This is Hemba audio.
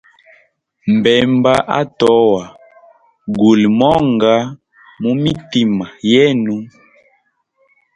Mbemba atowa, guli monga mumitima yenu?